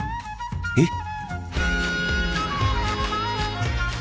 えっ！？